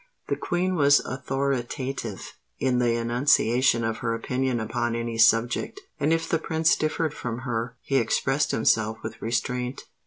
The Queen was authoritative in the enunciation of her opinion upon any subject; and if the Prince differed from her, he expressed himself with restraint.